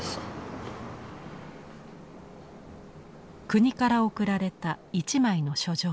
国から贈られた一枚の書状。